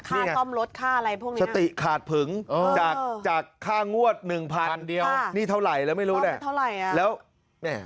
ค่าต้อมรถค่าอะไรพวกนี้นะสติขาดผึงจากค่างวด๑๐๐๐นี่เท่าไหร่แล้วไม่รู้เนี่ย